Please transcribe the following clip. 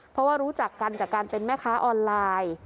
เพราะว่ารู้จักกันจากการเป็นแม่ค้าออนไลน์